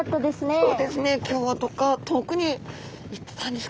そうですね今日はどっか遠くに行ってたんですかね。